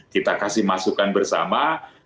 kita kasih masukan bersama